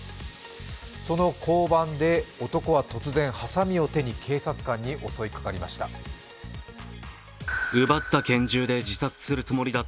その交番で男は突然はさみを手に警察官に襲いかかりました。